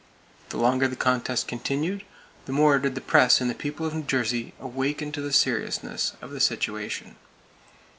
The longer the contest continued, the more did the press and the people of New Jersey awaken to the seriousness of the situation.